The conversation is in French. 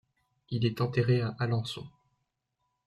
Il est enterré à Alençon.